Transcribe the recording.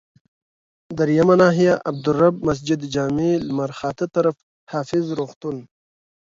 دریمه ناحيه، عبدالرب مسجدجامع لمرخاته طرف، حافظ روغتون.